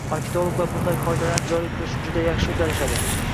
Marketologlar bunday qoidalarni joriy qilishni juda yaxshi uddalashadi